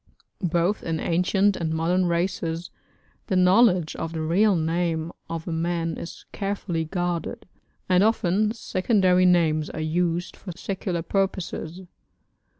Both in ancient and modern races the knowledge of the real name of a man is carefully guarded, and often secondary names are used for secular purposes.